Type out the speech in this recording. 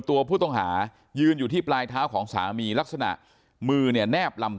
ตัวผู้ต้องหายืนอยู่ที่ปลายเท้าของสามีลักษณะมือเนี่ยแนบลำ